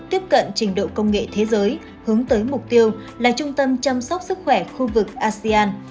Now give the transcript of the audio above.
tiếp cận trình độ công nghệ thế giới hướng tới mục tiêu là trung tâm chăm sóc sức khỏe khu vực asean